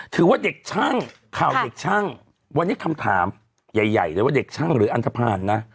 ถือว่าเดริ๊ดช่างค่าเดริดช่างวันนี้คำถามใหญ่ว่าเดริดช่างหรืออันสะพานนะ